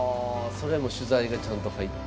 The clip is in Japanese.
それはもう取材がちゃんと入って。